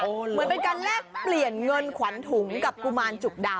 เหมือนเป็นการแลกเปลี่ยนเงินขวัญถุงกับกุมารจุกดำ